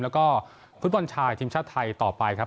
แล้วก็ฟุตบอลชายทีมชาติไทยต่อไปครับ